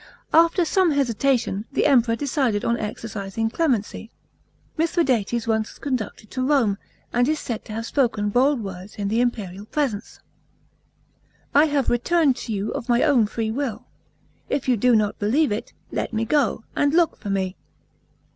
After some hesitation, the Emperor decided on exorcising clemency ; Mithradates was conducted to Rome, and is said to have spoken bold words in the imperial presence :" I have returned to you of my own free will ; it you do not believe it, let me go, and look for me!